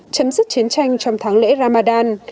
chấm dứt chiến tranh trong tháng lễ ramadan